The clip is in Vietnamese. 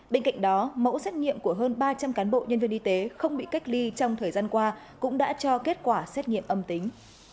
bên cạnh đó mẫu xét nghiệm của hơn ba trăm linh cán bộ nhân viên y tế không bị cách ly trong thời gian qua cũng đã cho kết quả xét nghiệm âm tính